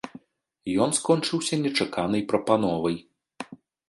Ён скончыўся нечаканай прапановай.